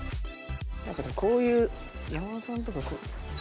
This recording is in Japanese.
こういう山田さんとか。